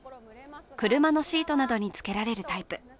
車のシートなどに付けられるタイプ。